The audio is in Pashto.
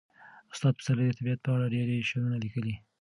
استاد پسرلي د طبیعت په اړه ډېر شعرونه لیکلي.